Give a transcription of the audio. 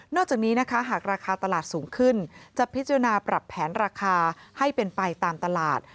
จากนี้นะคะหากราคาตลาดสูงขึ้นจะพิจารณาปรับแผนราคาให้เป็นไปตามตลาด